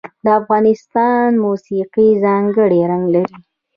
د افغانستان موسیقي ځانګړی رنګ لري.